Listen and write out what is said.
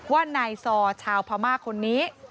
ว่านายซอชาวพม่าคนนี้